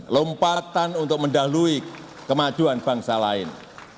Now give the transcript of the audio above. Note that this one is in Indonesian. lompatan untuk mendahului kemajuan bangsa lain